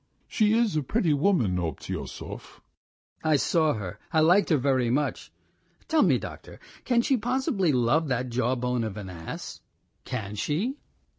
She is a pretty woman, Obtyosov." "I saw her. I liked her very much. ... Tell me, doctor, can she possibly love that jawbone of an ass? Can she?"